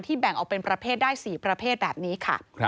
แบ่งออกเป็นประเภทได้๔ประเภทแบบนี้ค่ะ